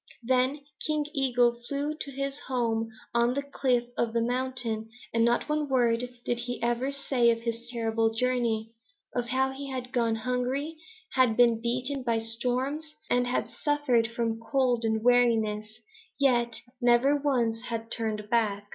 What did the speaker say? Then King Eagle flew to his home on the cliff of the mountain, and not one word did he ever say of his terrible journey, of how he had gone hungry, had been beaten by storms, and had suffered from cold and weariness, yet never once had turned back.